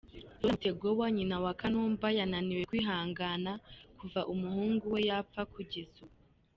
Flora Mutegoa, nyina wa Kanumba, yananiwe kwihangana kuva umuhungu we yapfa kugeza ubu.